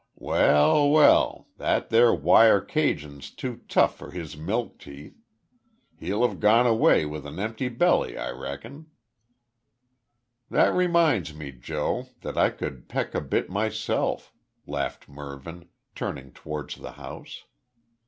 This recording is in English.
"Well, well, that there wire cageing's too tough for his milk teeth. He'll ha' gone away wi' an empty belly I rackon." "That reminds me, Joe, that I could peck a bit myself," laughed Mervyn, turning towards the house.